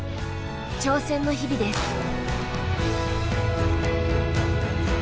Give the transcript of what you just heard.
挑戦の日々です。